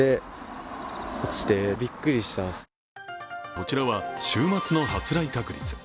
こちらは週末の発雷確率。